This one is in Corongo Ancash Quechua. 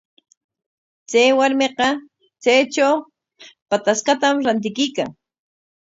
Chay warmiqa chaytraw pataskatam rantikuykan.